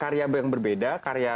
karya karya yang berbeda